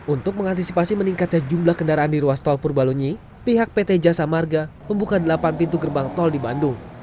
untuk mengantisipasi meningkatnya jumlah kendaraan di ruas tol purbalunyi pihak pt jasa marga membuka delapan pintu gerbang tol di bandung